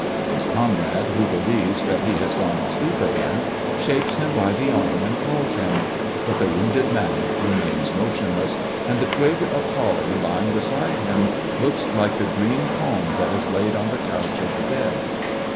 His comrade, who believes that he has gone to sleep again, shakes him by the arm and calls him; but the wounded man remains motionless, and the twig of holly lying beside him looks like the green palm that is laid on the couch of the dead.